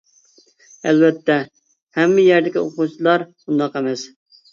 ئەلۋەتتە ھەممە يەردىكى ئوقۇغۇچىلار ئۇنداق ئەمەس.